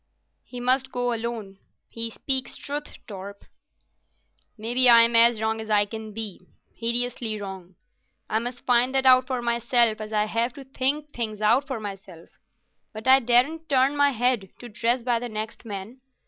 "He must go alone. He speaks truth, Torp." "Maybe I'm as wrong as I can be—hideously wrong. I must find that out for myself, as I have to think things out for myself, but I daren't turn my head to dress by the next man.